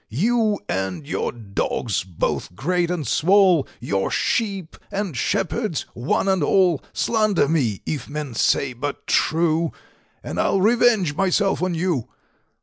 You and your dogs, both great and small, Your sheep and shepherds, one and all, Slander me, if men say but true, And I'll revenge myself on you."